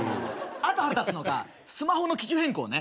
あと腹立つのがスマホの機種変更ね。